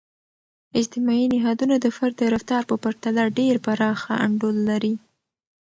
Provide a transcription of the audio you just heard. اجتماعي نهادونه د فرد د رفتار په پرتله ډیر پراخ انډول لري.